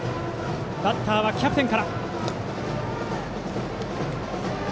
バッターはキャプテンから。